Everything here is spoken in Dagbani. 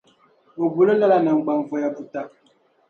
O boli o lala naŋgbanvɔya buta.